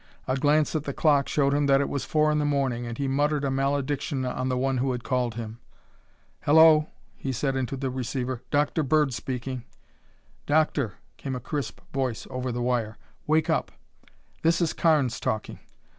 A glance at the clock showed him that it was four in the morning and he muttered a malediction on the one who had called him. "Hello," he said into the receiver. "Dr. Bird speaking." "Doctor," came a crisp voice over the wire, "wake up! This is Carnes talking.